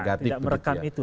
tidak tidak merekam itu